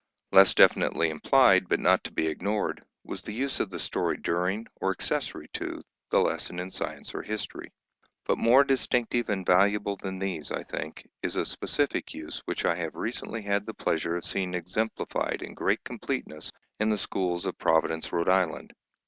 Less definitely implied, but not to be ignored, was the use of the story during, or accessory to, the lesson in science or history. But more distinctive and valuable than these, I think, is a specific use which I have recently had the pleasure of seeing exemplified in great completeness in the schools of Providence, Rhode Island.